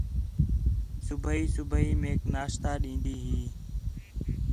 صبیح صبیح میک ناشتہ ݙین٘دی ہی